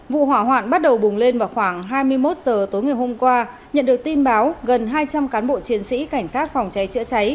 vụ hỏa hoạn bắt đầu bùng lên vào khoảng hai mươi một h tối ngày hôm qua nhận được tin báo gần hai trăm linh cán bộ chiến sĩ cảnh sát phòng cháy chữa cháy